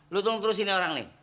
lu tunggu terus sini orang nih